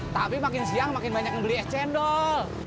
tapi makin siang makin banyak yang beli es cendol